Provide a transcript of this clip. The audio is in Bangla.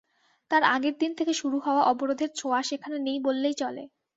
তার আগের দিন থেকে শুরু হওয়া অবরোধের ছোঁয়া সেখানে নেই বললেই চলে।